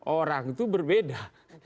orang itu berbeda